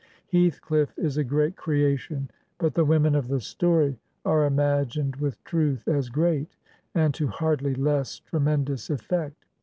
Heathcliff is a great creation, but the women of the story are imagined with truth as great, and to hardly less tremendous effect.